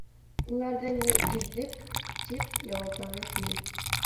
— Уларҙы ни, иҙҙек... — тип яуапланы Фил.